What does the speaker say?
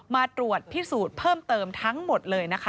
มาตรวจพิสูจน์เพิ่มเติมทั้งหมดเลยนะคะ